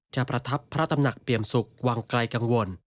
ประทับพระตำหนักเปี่ยมสุขวังไกลกังวล